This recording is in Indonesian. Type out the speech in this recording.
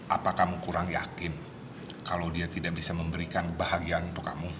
apa kamu kurang yakin kalau dia tidak bisa memberikan kebahagiaan untuk kamu